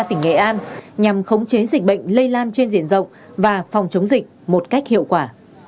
tỉnh nghệ an nhằm khống chế dịch bệnh lây lan trên diện rộng và phòng chống dịch một cách hiệu quả